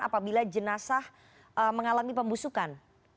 apabila jenazah mengalami pembusukan